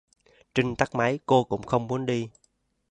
Trinh tắt máy, cô cũng không muốn đi